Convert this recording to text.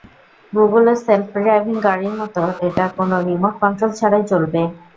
গুগলের self driving গাড়ির মতো এটা কোনো রিমোট কন্ট্রোল ছাড়াই চলবে।